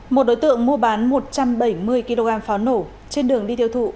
một đối tượng mua bán một trăm bảy mươi kg pháo nổ trên đường đi tiêu thụ